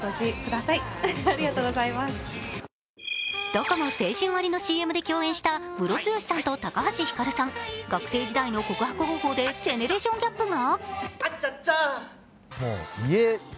ドコモ、青春割のＣＭで共演したムロツヨシさんと高橋ひかるさん、学生時代の告白方法でジェネレーションギャップが。